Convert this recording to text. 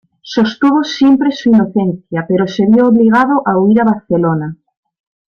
Sostuvo siempre su inocencia, pero se vio obligado a huir a Barcelona.